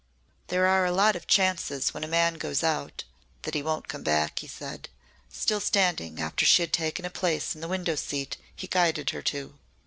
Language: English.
"There are a lot of chances when a man goes out that he won't come back," he said, still standing after she had taken a place in the window seat he guided her to.